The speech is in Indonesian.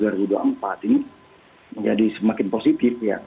ini menjadi semakin positif ya